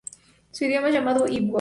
Su idioma es llamado igbo.